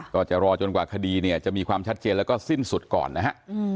ก็จะรอจนกว่าคดีเนี่ยจะมีความชัดเจนแล้วก็สิ้นสุดก่อนนะฮะ